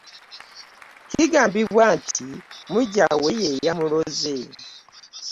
Kigambibwa nti mujjawe yeyamulooze.